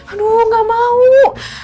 aduh nggak mau